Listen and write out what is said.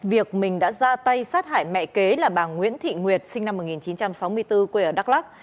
việc mình đã ra tay sát hại mẹ kế là bà nguyễn thị nguyệt sinh năm một nghìn chín trăm sáu mươi bốn quê ở đắk lắc